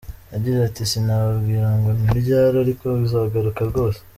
Yagize ati “Sinababwira ngo ni ryari ariko izagaruka rwose.